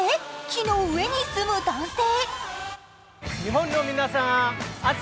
木の上に住む男性。